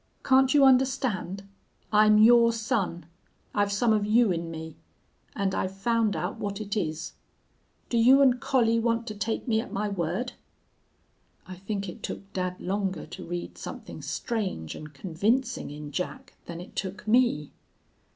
Can't you understand? I'm your son. I've some of you in me. And I've found out what it is. Do you and Collie want to take me at my word?' "I think it took dad longer to read something strange and convincing in Jack than it took me.